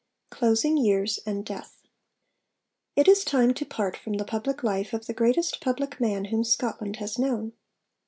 CHAPTER VII CLOSING YEARS AND DEATH It is time to part from the public life of the greatest public man whom Scotland has known.